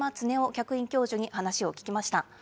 客員教授に話を聞きました。